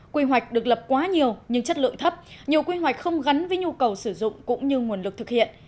quy hoạch được lập quá nhiều nhưng chất lượng thấp nhiều quy hoạch không gắn với nhu cầu sử dụng cũng như nguồn lực thực hiện